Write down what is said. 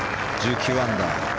１９アンダー。